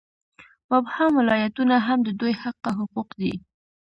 مبهم ولایتونه هم د دوی حقه حقوق دي.